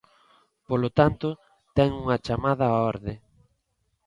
Polo tanto, ten unha chamada á orde.